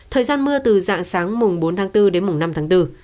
thời gian mưa từ dạng sáng mùng bốn tháng bốn đến mùng năm tháng bốn